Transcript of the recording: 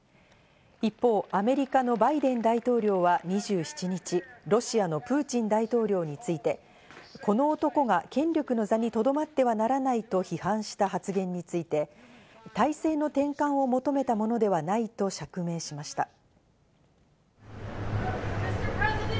一方、アメリカのバイデン大統領は２７日、ロシアのプーチン大統領について、この男が権力の座にとどまってはならないと批判した発言について体制の転換を求めたものではないと釈明しました。